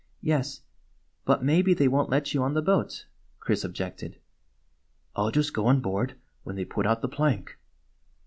" Yes, but maybe they won't let you on the boat," Chris objected. " I 'll just go on board when they put out the plank."